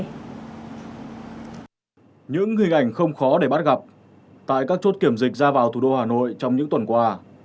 những hình ảnh không khó để bắt gặp tại các chốt kiểm dịch ra vào thủ đô hà nội trong những tuần qua